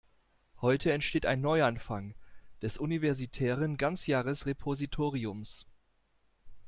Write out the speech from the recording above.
Heute entsteht ein Neuanfang des universitären Ganzjahresrepositoriums.